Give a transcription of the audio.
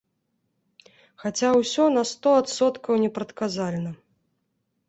Хаця ўсё на сто адсоткаў непрадказальна.